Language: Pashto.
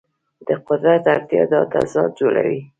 د قدرت اړتیا دا تضاد جوړوي.